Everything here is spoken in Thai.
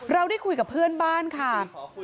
เราได้คุยกับเพื่อนบ้านค่ะ